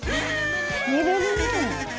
「見れるね」